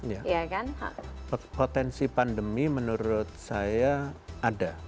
ya kan potensi pandemi menurut saya ada